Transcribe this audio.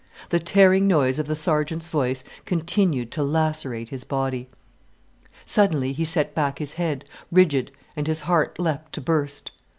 The tearing noise of the sergeant's voice continued to lacerate his body. Suddenly he set back his head, rigid, and his heart leapt to burst.